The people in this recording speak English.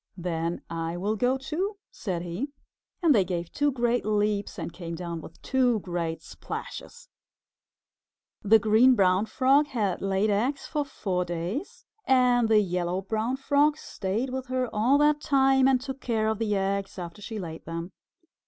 "Then I will go too," said he. And they gave two great leaps and came down with two great splashes. [Illustration: "THEN I WILL GO TOO," SAID HE. Page 9] The Green Brown Frog laid eggs for four days, and the Yellow Brown Frog stayed with her all that time and took care of the eggs after she had laid them.